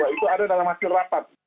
itu ada dalam hasil rapat